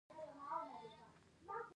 د محکوم مړی به په ورځو ورځو په چوک کې ځړېده.